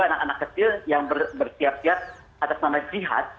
anak anak kecil yang bersiap siap atas nama jihad